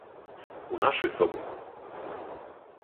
У нашој соби?